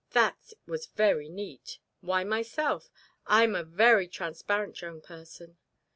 "That was very neat. Why myself? I am a very transparent young person."